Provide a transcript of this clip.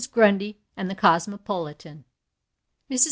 GRUNDY AND THE COSMOPOLITAN. Mrs.